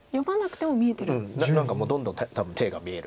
うん何かどんどん多分手が見える。